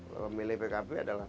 pemilih pkb adalah